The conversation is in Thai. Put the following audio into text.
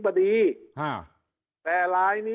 คราวนี้เจ้าหน้าที่ป่าไม้รับรองแนวเนี่ยจะต้องเป็นหนังสือจากอธิบดี